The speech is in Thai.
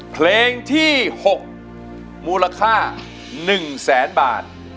เพลงที่๖มูลค่า๑๐๐๐๐๐บาท